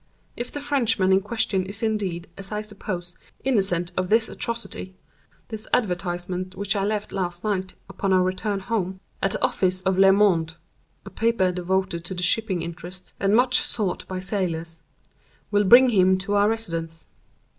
If the Frenchman in question is indeed, as I suppose, innocent of this atrocity, this advertisement which I left last night, upon our return home, at the office of 'Le Monde' (a paper devoted to the shipping interest, and much sought by sailors), will bring him to our residence."